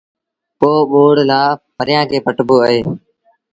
پو ٻوڙ لآ ڦريآݩ کي پٽبو اهي